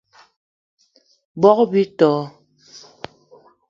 Bogb-ito